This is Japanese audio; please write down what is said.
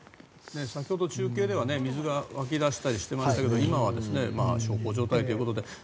先ほど、中継では水が湧き出したりしてましたが今は小康状態ということで。